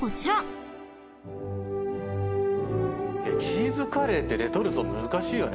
チーズカレーってレトルト難しいよね。